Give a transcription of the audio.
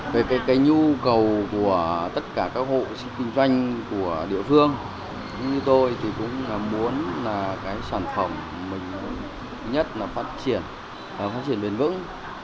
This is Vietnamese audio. về cái nhu cầu của tất cả các hộ kinh doanh của địa phương cũng như tôi thì cũng muốn là cái sản phẩm mình nhất là phát triển phát triển bền vững